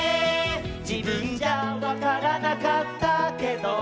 「じぶんじゃわからなかったけど」